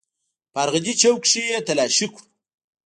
په ارغندې چوک کښې يې تلاشي کړو.